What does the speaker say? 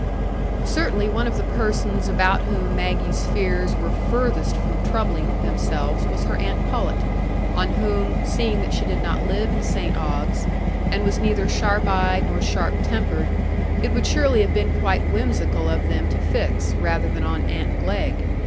Certainly one of the persons about whom Maggie's fears were furthest from troubling themselves was her aunt Pullet, on whom, seeing that she did not live in St Ogg's, and was neither sharp eyed nor sharp tempered, it would surely have been quite whimsical of them to fix rather than on aunt Glegg.